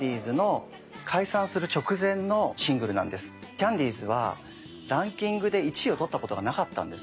キャンディーズはランキングで１位を取ったことがなかったんです。